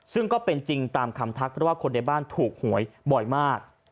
ซึ่งก็เป็นจริงตามคำทักเพราะว่าคนในบ้านถูกหวยบ่อยมาก